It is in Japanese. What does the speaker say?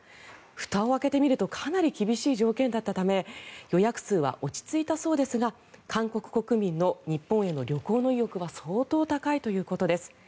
ふたを開けてみるとかなり厳しい条件だったため予約数は落ち着いたそうですが韓国国民の日本への旅行の意欲は相当高いということです。